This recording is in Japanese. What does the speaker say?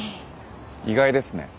意外ですね。